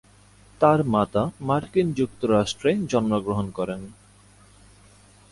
তার মাতা মার্কিন যুক্তরাষ্ট্রে জন্মগ্রহণ করেন।